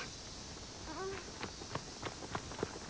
うん。